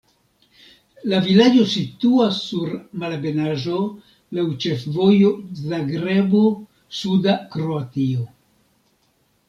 La vilaĝo situas sur malebenaĵo, laŭ ĉefvojo Zagrebo-suda Kroatio.